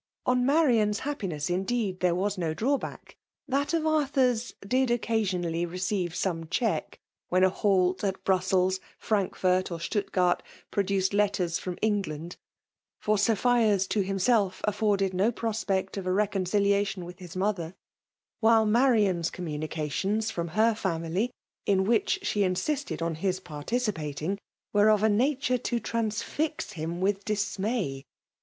On Marian*s happiness, indeed^ there was no draw back ; that of Arthur's did occasionally reoeive some cheeky when a halt at Brussels, Frankfort, or Stutgardt produced letters from England ; for Sophia's to himself afforded no prospect of a reconciliation with his mother; while Marian communications from her &mily, in which she insisted on his participating, were of a naturo to transfix him with dismay.